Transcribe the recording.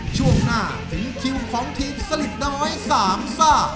ช่วงหน้าถึงคิวของทีมสลิดน้อยสามซ่า